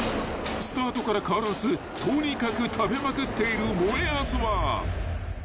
［スタートから変わらずとにかく食べまくっているもえあずは］